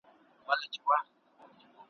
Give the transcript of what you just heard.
زما دي په یاد وي ستا دي هېر وي ګلي ,